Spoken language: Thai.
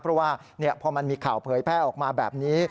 เพราะว่าพอมันมีข่าวเผยแพร่ออกมาแบบนี้